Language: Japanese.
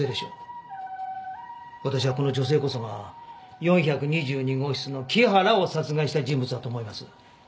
私はこの女性こそが４２２号室の木原を殺害した人物だと思います。